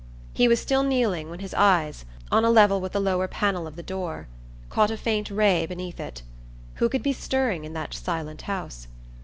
He was still kneeling when his eyes, on a level with the lower panel of the door, caught a faint ray beneath it. Who could be stirring in that silent house?